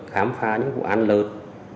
khám phá những vụ an lợt